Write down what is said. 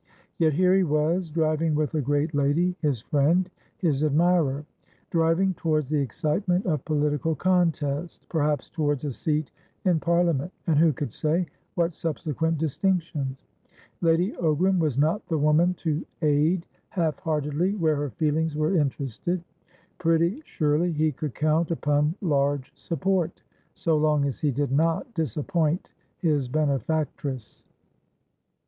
Yet here he was, driving with a great lady, his friend, his admirer; driving towards the excitement of political contest, perhaps towards a seat in Parliament, and who could say what subsequent distinctions. Lady Ogram was not the woman to aid half heartedly where her feelings were interested. Pretty surely he could count upon large support, so long as he did not disappoint his benefactress.